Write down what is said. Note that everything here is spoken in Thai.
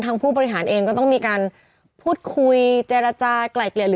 ทำงานครบ๒๐ปีได้เงินชดเฉยเลิกจ้างไม่น้อยกว่า๔๐๐วัน